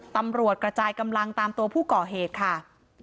ตำรวจกระจายกำลังตามตัวผู้ก่อเหตุค่ะ